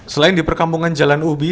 selain di perkampungan jalan ubi